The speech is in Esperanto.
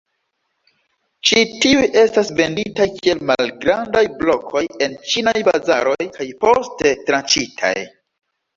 Ĉi tiuj estas venditaj kiel malgrandaj blokoj en ĉinaj bazaroj kaj poste tranĉitaj.